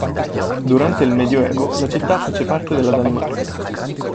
Durante il Medioevo la città fece parte della Danimarca.